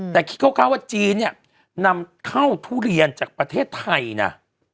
แต่คิดคร่าวว่าจีนเนี่ยนำเข้าทุเรียนจากประเทศไทยนะ